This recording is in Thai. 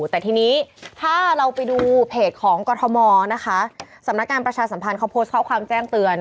แต่ทีนี้ถ้าเราไปดูเพจของกรทมนะคะสำนักงานประชาสัมพันธ์เขาโพสต์ข้อความแจ้งเตือน